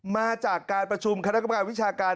มาจากการประชุมคณะกรรมการวิชาการ